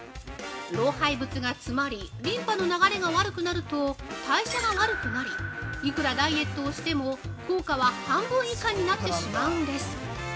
老廃物が詰まりリンパの流れが悪くなると代謝が悪くなりいくらダイエットをしても効果は半分以下になってしまうんです。